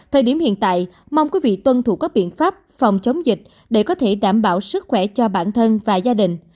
thời điểm hiện tại mong quý vị tuân thủ các biện pháp phòng chống dịch để có thể đảm bảo sức khỏe cho bản thân và gia đình